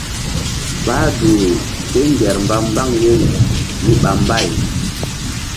Bah duhru kéŋger mba nzuk mbaŋ yeri míɓa mbay.